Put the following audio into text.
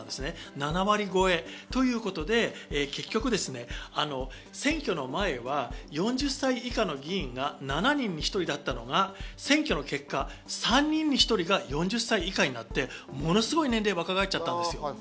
７割超えということで結局、選挙の前は４０歳以下の議員が７人に１人だったのが、選挙の結果、３人に１人が４０歳以下になって、ものすごく年齢が若返った。